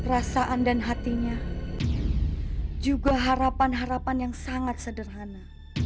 perasaan dan hatinya juga harapan harapan yang sangat sederhana